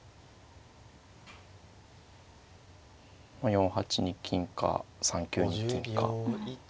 ４八に金か３九に金か。